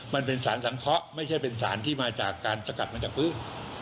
มันเป็นสารสังเคราะห์ไม่ใช่เป็นสารที่มาจากการสกัดมาจากพื้น